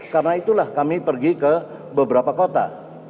karena itulah kami pergi ke beberapa kota